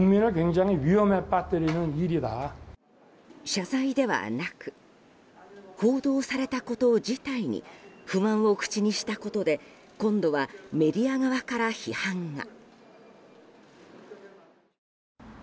謝罪ではなく報道されたこと自体に不満を口にしたことで今度はメディア側から批判が。